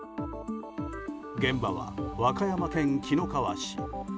現場は和歌山県紀の川市。